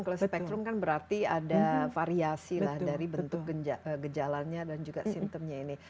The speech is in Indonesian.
kalau spektrum kan berarti ada variasi lah dari bentuk gejalanya dan juga simptomnya ini